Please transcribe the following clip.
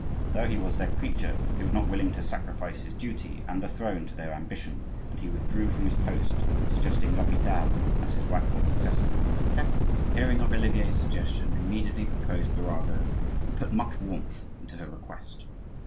Though he was their creature, he was not willing to sacrifice his duty and the Throne to their ambition; and he withdrew from his post, suggesting l'Hopital as his rightful successor. Catherine, hearing of Olivier's suggestion, immediately proposed Birago, and put much warmth into her request.